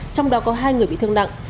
trong đó có hai người bị thương nặng